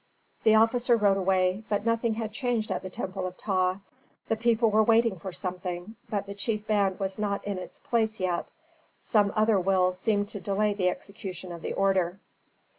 The officer rode away, but nothing had changed at the temple of Ptah. The people were waiting for something, but the chief band was not in its place yet. Some other will seemed to delay the execution of the order.